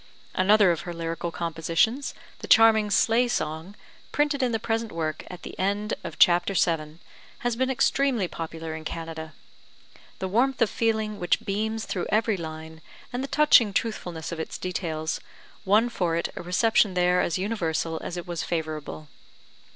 Another of her lyrical compositions, the charming Sleigh Song, printed in the present work [at the end of chapter VII], has been extremely popular in Canada. The warmth of feeling which beams through every line, and the touching truthfulness of its details, won for it a reception there as universal as it was favourable.